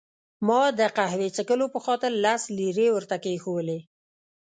ما د قهوې څښلو په خاطر لس لیرې ورته کښېښوولې.